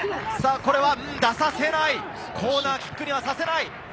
これは出させない、コーナーキックにはさせない。